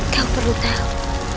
kau perlu tahu